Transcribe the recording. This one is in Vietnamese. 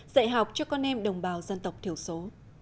dạy học cho con em đồng bào dân tộc thiểu số